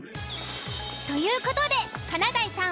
という事で華大さん